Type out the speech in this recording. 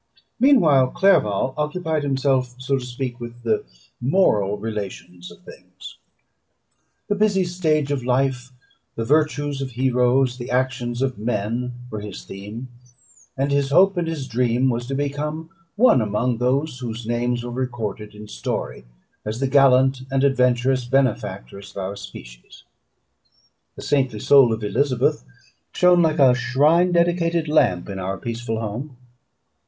Meanwhile Clerval occupied himself, so to speak, with the moral relations of things. The busy stage of life, the virtues of heroes, and the actions of men, were his theme; and his hope and his dream was to become one among those whose names are recorded in story, as the gallant and adventurous benefactors of our species. The saintly soul of Elizabeth shone like a shrine dedicated lamp in our peaceful home.